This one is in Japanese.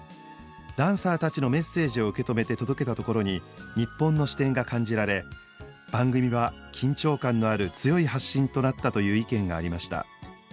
「ダンサーたちのメッセージを受け止めて届けたところに日本の視点が感じられ番組は緊張感のある強い発信となった」という意見がありました。